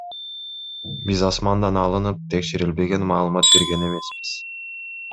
Биз асмандан алынып, текшерилбеген маалымат берген эмеспиз.